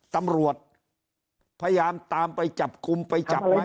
ตัมรวจพยายามไปจับกุมกินมั้ยว่า